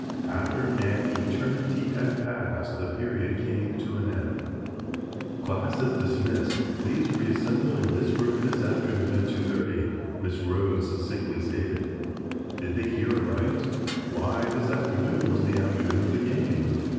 After an eternity had passed the period came to an end. "Class is dismissed. Please reassemble in this room this afternoon at 2.30," Miss Rhodes succinctly stated. Did they hear aright? Why, this afternoon was the afternoon of the game.